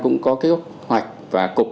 cũng có kế hoạch và cục